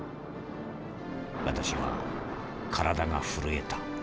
私は体が震えた。